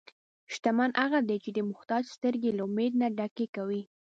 شتمن هغه دی چې د محتاج سترګې له امید نه ډکې کوي.